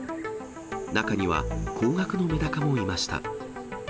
中には、高額なめだかもいました。